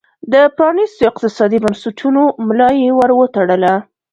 د پرانیستو اقتصادي بنسټونو ملا یې ور وتړله.